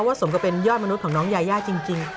สมกับเป็นยอดมนุษย์ของน้องยายาจริง